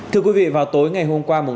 thưa quý vị vào tối ngày hôm qua